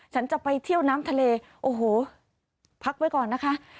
ฉันจะไปเที่ยวน้ำทะเลโอ้โหพักไว้ก่อนนะคะ